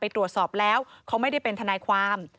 ตรวจสอบแล้วเขาไม่ได้เป็นทนายความ